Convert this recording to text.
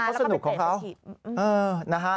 หรือเขาสนุกของเขา